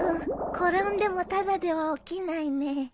転んでもただでは起きないね。